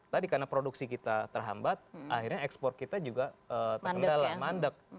tadi karena produksi kita terhambat akhirnya ekspor kita juga terkendala mandek